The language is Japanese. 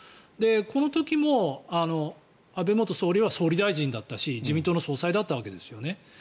この時も安倍元総理は総理大臣だったし自民党の総裁だったわけですよね。